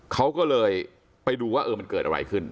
เขาก็เลยไปดูว่ามันเกิดอะไรขึ้น